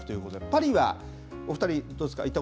パリはお２人、どうですか。